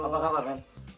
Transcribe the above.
apa kabar men